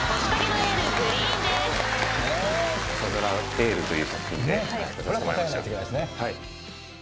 朝ドラ『エール』という作品で出させてもらいました。